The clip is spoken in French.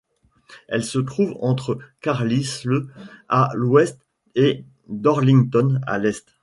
Elle se trouve entre Carlisle à l'ouest et Darlington à l'est.